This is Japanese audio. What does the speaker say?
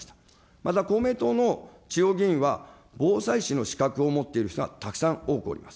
また公明党の地方議員は、防災士の資格を持っている人がたくさん多くあります。